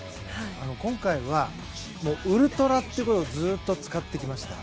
今回はウルトラという言葉をずっと使ってきました。